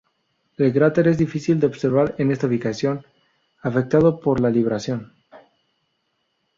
El cráter es difícil de observar en esta ubicación, afectado por la libración.